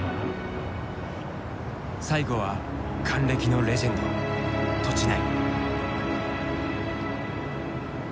最後は還暦のレジェンド栃内。